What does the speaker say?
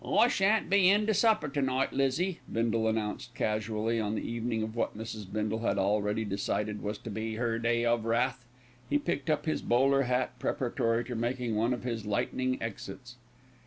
"I shan't be in to supper to night, Lizzie," Bindle announced casually on the evening of what Mrs. Bindle had already decided was to be her day of wrath. He picked up his bowler hat preparatory to making one of his lightning exits.